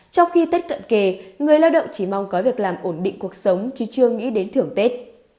trong khi tết cận kề người lao động chỉ mong có việc làm ổn định cuộc sống chứ chưa nghĩ đến thưởng tết